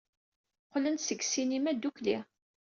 Qqlen-d seg ssinima ddukkli.